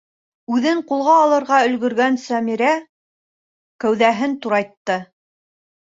Үҙен ҡулға алырға өлгөргән Сәмәрә кәүҙәһен турайтты.